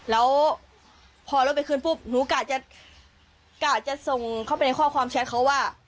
แล้วพอรถไปคืนปุ๊บหนูกะจะกะจะส่งเข้าไปในข้อความแชทเขาว่า